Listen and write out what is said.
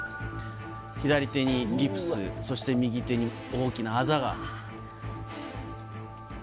左手にギプス、そして右手に大きなあざが。